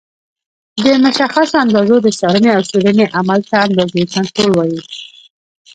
د مشخصو اندازو د څارنې او څېړنې عمل ته د اندازې کنټرول وایي.